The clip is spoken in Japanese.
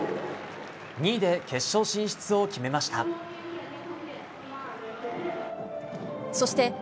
２位で決勝進出を決めました。